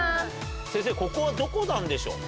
先生ここはどこなんでしょう？